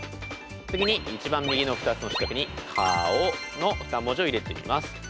次に一番右の２つの四角に「かお」の２文字を入れていきます。